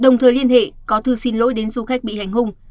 đồng thời liên hệ có thư xin lỗi đến du khách bị hành hung